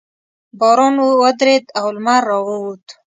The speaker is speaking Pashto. باران ودرېد او لمر راووت.